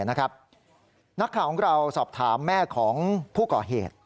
นักข่าวของเราสอบถามแม่ของผู้ก่อเหตุ